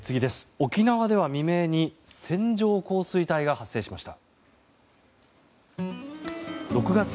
沖縄では未明に線状降水帯が発生しました。